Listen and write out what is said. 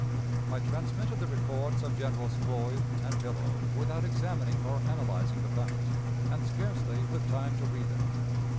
"I transmitted the reports of Generals Floyd and Pillow without examining or analyzing the facts, and scarcely with time to read them.